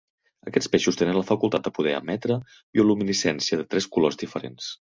Aquests peixos tenen la facultat de poder emetre bioluminescència de tres colors diferents.